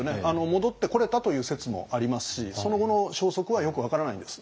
戻ってこれたという説もありますしその後の消息はよく分からないんです。